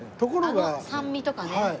あの酸味とかね。